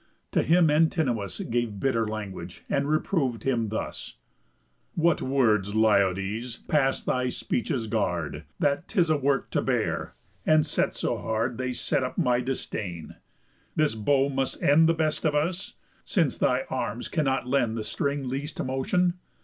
To him Antinous Gave bitter language, and reprov'd him thus: "What words, Liodes, pass thy speech's guard, That 'tis a work to bear, and set so hard They set up my disdain! This bow must end The best of us? Since thy arms cannot lend The string least motion?